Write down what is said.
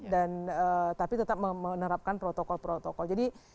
dan tetap menerapkan protokol protokol